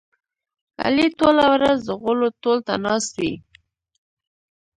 علي ټوله ورځ د غولو تول ته ناست وي.